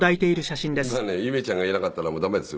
今ね夢ちゃんがいなかったらもう駄目ですよ